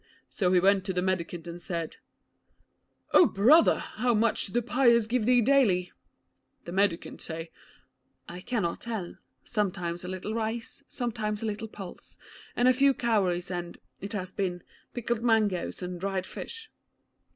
So he went to the mendicant and said, "Oh brother, how much do the pious give thee daily?" The mendicant said, "I cannot tell. Sometimes a little rice, sometimes a little pulse, and a few cowries and, it has been, pickled mangoes, and dried fish."